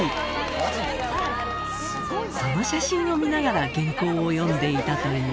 その写真を見ながら原稿を読んでいたという